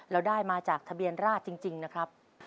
เราได้มาจากทะเบียนราชจริงนะครับ